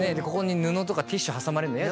ここに布とかティッシュ挟まれる。